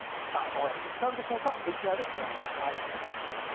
どうやって使うんでしょうかＶＴＲご覧ください。